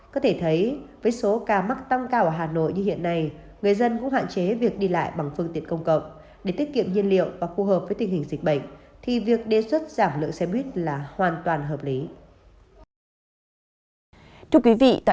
có thể thấy với số ca mắc tăng cao ở hà nội như hiện nay người dân cũng hạn chế việc đi lại bằng phương tiện công cộng để tiết kiệm nhiên liệu và phù hợp với tình hình dịch bệnh thì việc đề xuất giảm lượng xe buýt là hoàn toàn hợp lý